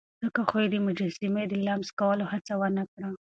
ځکه خو يې د مجسمې د لمس کولو هڅه ونه کړه.